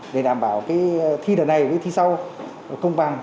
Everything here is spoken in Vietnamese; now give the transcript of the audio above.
để đảm bảo thi đợt này với thi sau công bằng